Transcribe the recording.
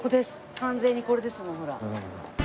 完全にこれですもんほら。